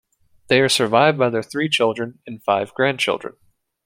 They are survived by their three children and five grandchildren.